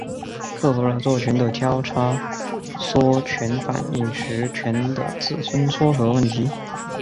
克服了做醛的交叉羟醛反应时醛的自身缩合问题。